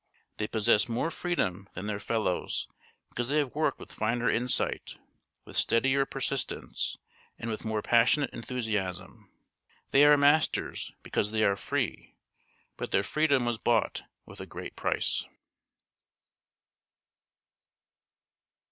They possess more freedom than their fellows because they have worked with finer insight, with steadier persistence, and with more passionate enthusiasm. They are masters because they are free; but their freedom was bought with a great price.